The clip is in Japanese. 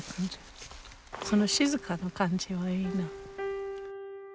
この静かな感じはいいな。